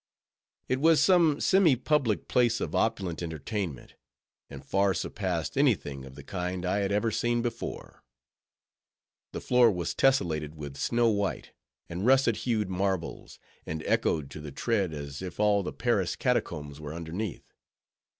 It was some semi public place of opulent entertainment; and far surpassed any thing of the kind I had ever seen before. The floor was tesselated with snow white, and russet hued marbles; and echoed to the tread, as if all the Paris catacombs were underneath.